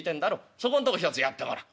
そこんとこひとつやってごらん」。